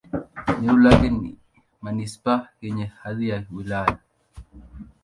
Eneo lake ni manisipaa yenye hadhi ya wilaya.